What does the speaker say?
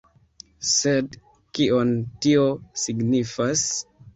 Sed kion tio signifas?